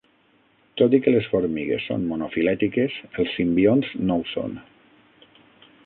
Tot i que les formigues són monofilètiques, els simbionts no ho són.